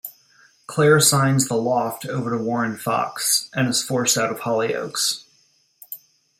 Clare signs The Loft over to Warren Fox and is forced out of Hollyoaks.